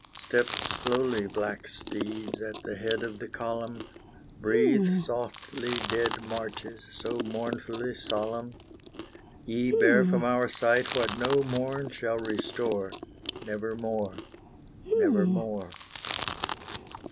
Step slowly, black steeds, at the head of the column, Breathe softly, dead marches, so mournfully solemn; Ye bear from our sight what no morn shall restore Nevermore, nevermore.